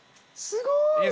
すごい！